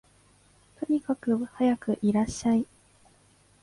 とにかくはやくいらっしゃい